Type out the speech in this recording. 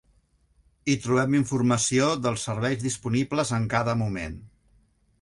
Hi trobem informació dels serveis disponibles en cada moment.